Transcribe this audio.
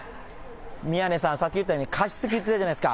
宮根さん、さっき言いましたように、加湿器って言ってたじゃないですか。